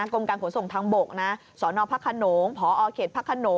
กรมการขนส่งทางบกนะสนพนพอเขตพน